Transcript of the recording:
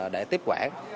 để tiếp quản